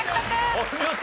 お見事。